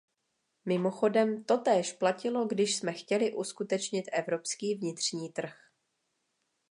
Mimochodem, totéž platilo, když jsme chtěli uskutečnit evropský vnitřní trh.